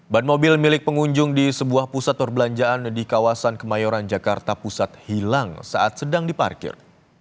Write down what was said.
ban mobil milik pengunjung di sebuah pusat perbelanjaan di kawasan kemayoran jakarta pusat hilang saat sedang diparkir